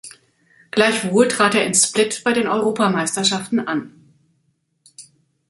Gleichwohl trat er in Split bei den Europameisterschaften an.